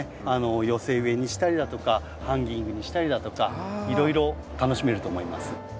寄せ植えにしたりだとかハンギングにしたりだとかいろいろ楽しめると思います。